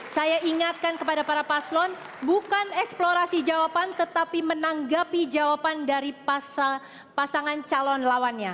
saya ingatkan kepada para paslon bukan eksplorasi jawaban tetapi menanggapi jawaban dari pasangan calon lawannya